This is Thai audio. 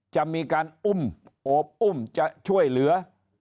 จะมีการอุ้มโอบอุ้มจะช่วยเหลือ